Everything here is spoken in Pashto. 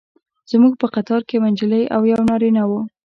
زموږ په قطار کې یوه نجلۍ او یو نارینه و.